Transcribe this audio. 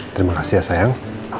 terima kasih ya sayang